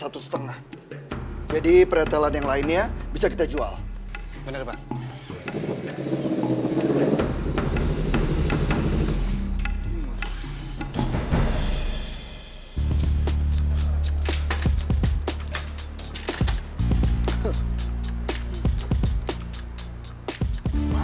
atas kecintaan hamba kepadamu ya allah